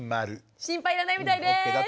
心配いらないみたいです。